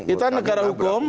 kita negara hukum